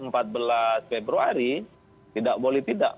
empat belas februari tidak boleh tidak